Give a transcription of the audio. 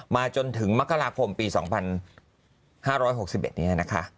มาจนถึงมคราคมปี๒๕๖๑นี้แหละนะคะ